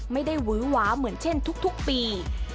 ไม่ได้วื้อหวาเหมือนเช่นทุกปี